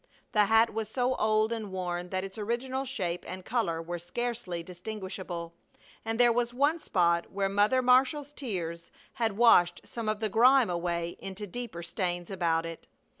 The hat was so old and worn that its original shape and color were scarcely distinguishable, and there was one spot where Mother Marshall's tears had washed some of the grime away into deeper stains about it.